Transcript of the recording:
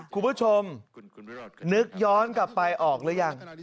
คุณผู้ชมนึกย้อนกลับไปออกหรือยัง